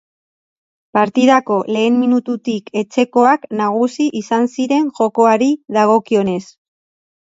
Partidako lehen minututik etxekoak nagusi izan ziren jokoari dagokionez.